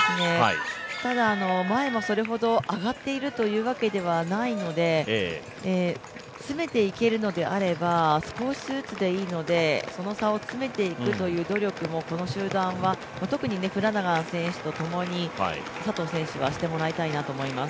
ただ、前もそれほど上がっているというわけではないので詰めていけるのであれば、少しずつでいいので、その差を詰めていくという努力もこの集団は特にフラナガン選手と共に、佐藤選手はしてほしいなと思います。